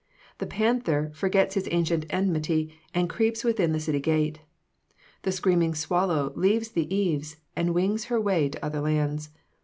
The panther forgets his ancient enmity, and creeps within the city gate. The screaming swallow leaves the eaves, and wings her way to other lands.